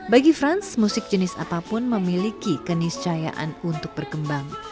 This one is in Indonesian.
bagi frans musik jenis apapun memiliki keniscayaan untuk berkembang